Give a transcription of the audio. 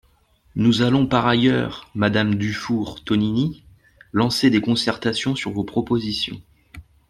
Nous allons par ailleurs, madame Dufour-Tonini, lancer des concertations sur vos propositions.